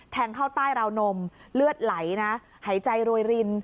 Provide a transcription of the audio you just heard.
เข้าใต้ราวนมเลือดไหลนะหายใจโรยริน